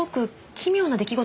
奇妙な出来事？